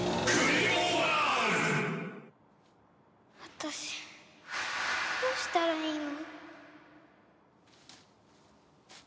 私どうしたらいいの？